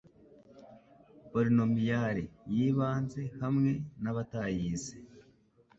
polinomial yibanze hamwe nabatayize